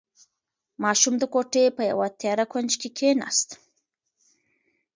ماشوم د کوټې په یوه تیاره کونج کې کېناست.